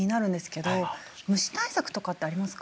虫対策とかってありますか？